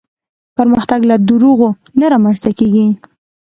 پرمختګ له دروغو نه رامنځته کېږي.